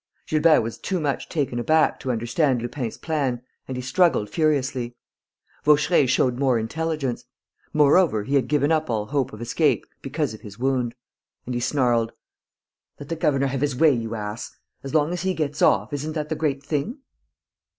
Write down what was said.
Gilbert was too much taken aback to understand Lupin's plan and he struggled furiously. Vaucheray showed more intelligence; moreover, he had given up all hope of escape, because of his wound; and he snarled: "Let the governor have his way, you ass!... As long as he gets off, isn't that the great thing?"